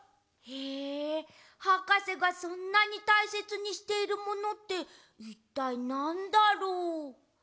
へえはかせがそんなにたいせつにしているものっていったいなんだろう？